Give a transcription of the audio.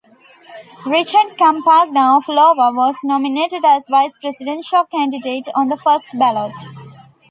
Richard Campagna of Iowa was nominated as vice presidential candidate on the first ballot.